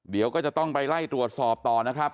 เดี๋ยวก็จะต้องไปไล่ตรวจสอบต่อนะครับ